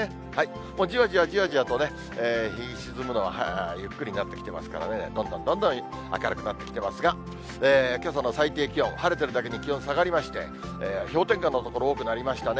じわじわじわじわとね、日が沈むのがゆっくりなってきてますからね、どんどんどんどん明るくなってきていますが、けさの最低気温、晴れてるだけに気温下がりまして、氷点下の所、多くなりましたね。